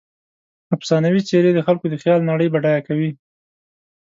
افسانوي څیرې د خلکو د خیال نړۍ بډایه کوي.